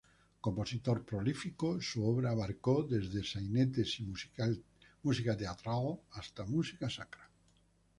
Compositor prolífico, su obra abarcó desde sainetes y música teatral hasta música sacra.